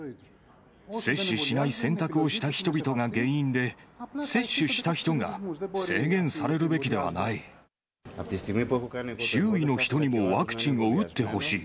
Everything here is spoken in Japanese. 接種しない選択をした人々が原因で、接種した人が制限されるべき周囲の人にもワクチンを打ってほしい。